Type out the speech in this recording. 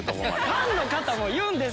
ファンの方も言うんです。